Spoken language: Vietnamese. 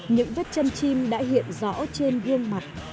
những vết chân chim đã hiện rõ trên gương mặt